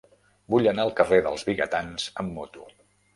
Vull anar al carrer dels Vigatans amb moto.